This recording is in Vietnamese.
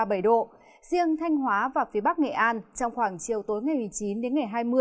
nhiệt độ cao nhất ngày mai khu vực từ thanh hóa và phía bắc nghệ an trong khoảng chiều tối ngày một mươi chín đến ngày hai mươi